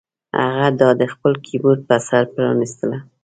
هغه دا د خپل کیبورډ په سر پرانیستله